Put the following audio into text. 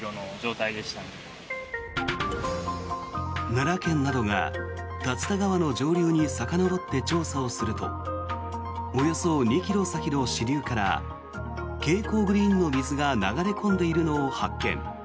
奈良県などが竜田川の上流にさかのぼって調査をするとおよそ２ｋｍ先の支流から蛍光グリーンの水が流れ込んでいるのを発見。